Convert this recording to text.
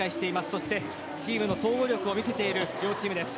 そしてチームの総合力を見せている両チームです。